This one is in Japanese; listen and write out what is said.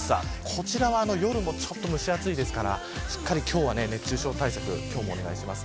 こちらは夜もちょっと蒸し暑いですから今日は熱中症対策をお願いします。